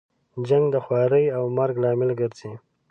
جنګ د خوارۍ او مرګ لامل ګرځي.